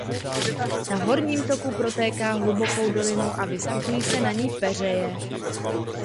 Na horním toku protéká hlubokou dolinou a vyskytují se na ní peřeje.